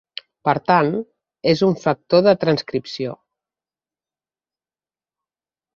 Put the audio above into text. Per tant, és un factor de transcripció.